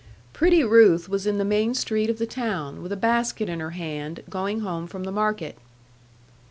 Pretty Ruth was in the main street of the town, with a basket in her hand, going home from the market.